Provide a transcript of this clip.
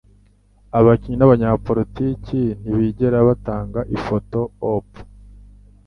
Abakinnyi nabanyapolitike ntibigera batanga ifoto op.